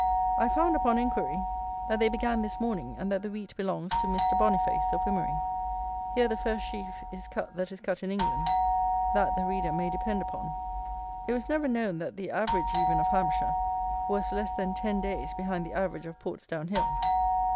I found, upon enquiry, that they began this morning, and that the wheat belongs to Mr. Boniface, of Wimmering. Here the first sheaf is cut that is cut in England: that the reader may depend upon. It was never known that the average even of Hampshire was less than ten days behind the average of Portsdown Hill.